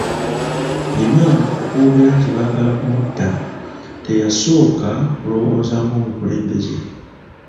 Imam okwogera nti baagala ku mutta, teyasooka kulowooza ng'omukulembeze.